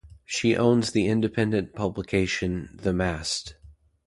She owns the independent publication "The Mast".